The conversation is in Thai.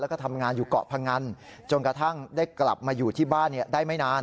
แล้วก็ทำงานอยู่เกาะพงันจนกระทั่งได้กลับมาอยู่ที่บ้านได้ไม่นาน